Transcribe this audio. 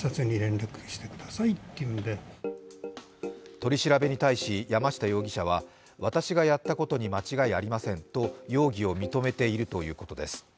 取り調べに対し山下容疑者は、私がやったことに間違いありませんと容疑を認めているということです。